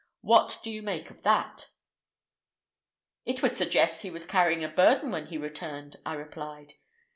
What do you make of that?" "It would suggest that he was carrying a burden when he returned," I replied.